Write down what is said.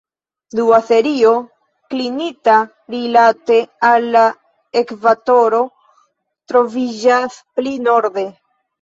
Dua serio, klinita rilate al la ekvatoro, troviĝas pli norde.